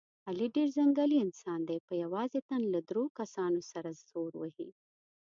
علي ډېر ځنګلي انسان دی، په یوازې تن له دور کسانو سره زور وهي.